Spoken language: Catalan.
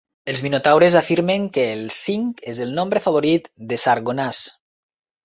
Els minotaures afirmen que el cinc és el nombre favorit de Sargonnas.